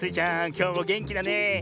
きょうもげんきだねえ。